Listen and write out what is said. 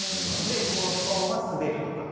でこのストーンは滑るとか。